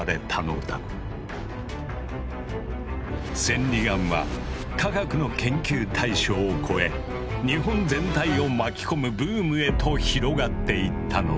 千里眼は科学の研究対象を超え日本全体を巻き込むブームへと広がっていったのだ。